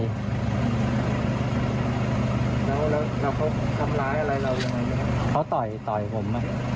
แล้วแล้วแล้วเขาทำร้ายอะไรเขาโดยต่อต่อผม